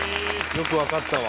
よくわかったわ。